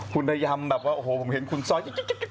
คุณได้ยำแบบว่าโอ้โหผมเห็นคุณซ้อยอีก